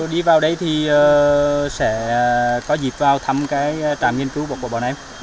nếu đi vào đây thì sẽ có dịp vào thăm cái trạm nghiên cứu của bảo nam